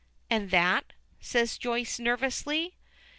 "And that?" says Joyce, nervously.